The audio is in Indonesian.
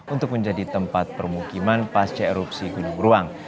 untuk menjadi tempat permukiman pasca erupsi gunung beruang